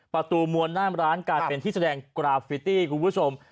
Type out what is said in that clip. มวลหน้ามร้านกลายเป็นที่แสดงกราฟิตี้คุณผู้ชม